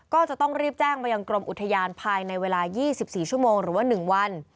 ก็จะต้องรีบแจ้งมายังกรมอุทยานภายในเวลา๒๔ชั่วโมงหรือว่า๑วัน